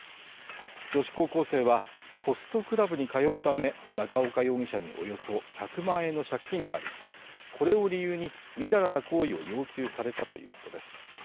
女子高校生は、ホストクラブに通うため、中岡容疑者におよそ１００万円の借金があり、これを理由にみだらな行為を要求されたということです。